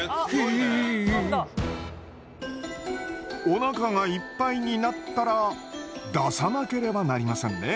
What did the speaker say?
おなかがいっぱいになったら出さなければなりませんね。